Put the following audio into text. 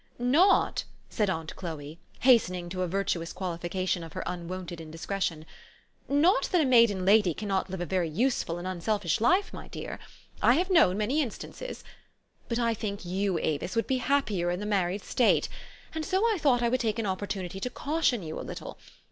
" Not," said aunt Chloe, hastening to a virtuous THE STORY OF AVIS. 177 qualification of her unwonted indiscretion, "not that a maiden lady cannot li ve a very useful and un selfish life, my dear. I have known many instances. But I think you, Avis, would be happier in the mar ried state ; and so I thought I would take an oppor tunity to caution you a little.